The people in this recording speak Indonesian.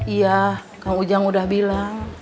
iya kang ujang udah bilang